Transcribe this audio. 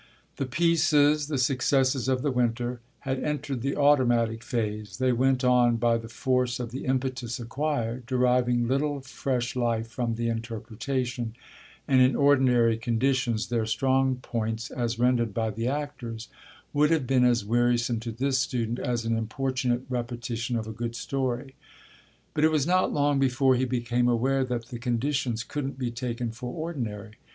The pieces, the successes of the winter, had entered the automatic phase: they went on by the force of the impetus acquired, deriving little fresh life from the interpretation, and in ordinary conditions their strong points, as rendered by the actors, would have been as wearisome to this student as an importunate repetition of a good story. But it was not long before he became aware that the conditions couldn't be taken for ordinary.